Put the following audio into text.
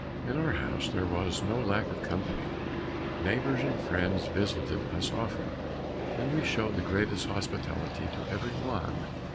In our house there was no lack of company; neighbors and friends visited us often, and we showed the greatest hospitality to every one.